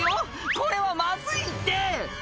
これはまずいって！